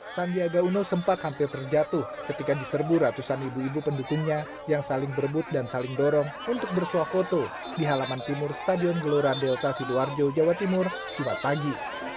sandiaga uno sempat hampir terjatuh ketika diserbu ratusan ibu ibu pendukungnya yang saling berebut dan saling dorong untuk bersuah foto di halaman timur stadion gelora delta sidoarjo jawa timur jumat pagi